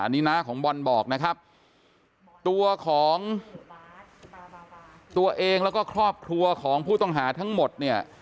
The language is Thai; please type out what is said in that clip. อันนี้น้าของบอลบอกนะครับตัวของตัวเองแล้วก็ครอบครัวของผู้ต้องหาทั้งหมดเนี่ย